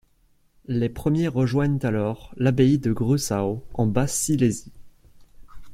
Les premiers rejoignent alors l'abbaye de Grüssau en Basse-Silésie.